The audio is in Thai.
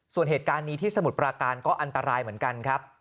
ส่วนเหตุการณ์นี้ที่สมุทรปราการก็อันตรายเหมือนกันครับ